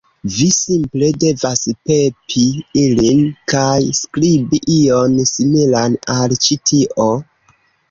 Vi simple devas pepi ilin, kaj skribi ion similan al ĉi tio